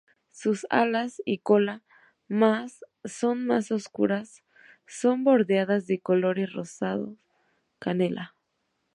Sus alas y cola más son más oscuras son bordeadas de color rosado-canela.